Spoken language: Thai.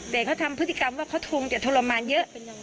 แต่เขาทำพฤติกรรมว่าเขาคงจะทรมานเยอะ